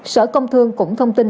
sở công thương cũng thông tin